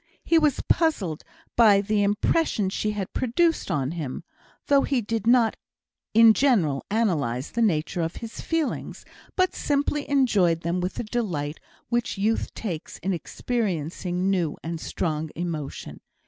He was puzzled by the impression she had produced on him, though he did not in general analyse the nature of his feelings, but simply enjoyed them with the delight which youth takes in experiencing new and strong emotion.